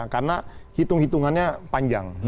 karena hitung hitungannya panjang